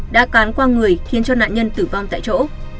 đã cán qua người khiến cho nạn nhân tử vong tại chỗ